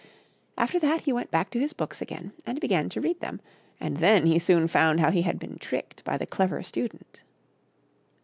After that he went back to his books again and began to read them, and then he soon found how he had been tricked by the Clever Student.